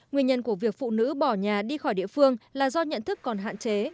nguyên nhân của việc phụ nữ bỏ nhà đi khỏi địa phương là do nhận thức còn hạn chế